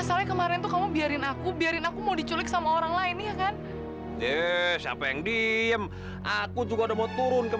sampai jumpa di video selanjutnya